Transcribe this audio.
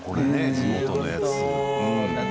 地元のやつ。